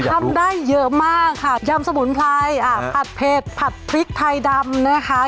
ทำได้เยอะมากค่ะยำสมุนไพรผัดเผ็ดผัดพริกไทยดำนะคะ